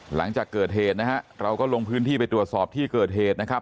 หลังจากเกิดเหตุนะฮะเราก็ลงพื้นที่ไปตรวจสอบที่เกิดเหตุนะครับ